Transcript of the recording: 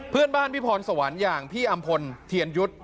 เพื่อนบ้านพี่พรสวรรค์อย่างพี่อำพลเทียนยุทธ์